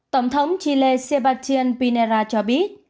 tổng thống chile sebastián pineda cho biết